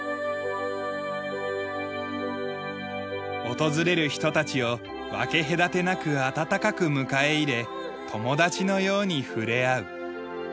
訪れる人たちを分け隔てなく温かく迎え入れ友達のように触れ合う。